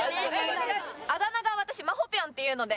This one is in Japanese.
あだ名が私まほぴょんっていうので。